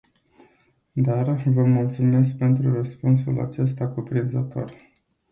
Dar, vă mulțumesc pentru răspunsul acesta cuprinzător.